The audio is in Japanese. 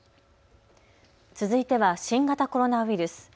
続いては新型コロナウイルス。